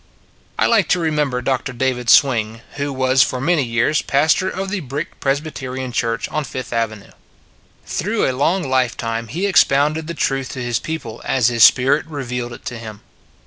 I like to remember Dr. David Swing, 6 It s a Good Old World who was for many years pastor of the Brick Presbyterian Church on Fifth Ave nue. Through a long lifetime he ex pounded the truth to his people as his spirit revealed it to him.